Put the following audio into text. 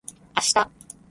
あした